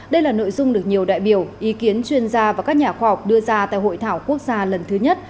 đây là nội dung được nhiều đại biểu ý kiến chuyên gia và các nhà khoa học đưa ra tại hội thảo quốc gia lần thứ nhất